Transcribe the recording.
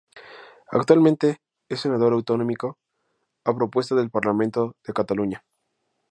Actualmente es senador autonómico a propuesta del Parlamento de Cataluña.